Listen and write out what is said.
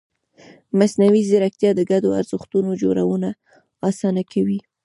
مصنوعي ځیرکتیا د ګډو ارزښتونو جوړونه اسانه کوي.